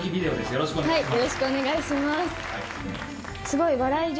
よろしくお願いします。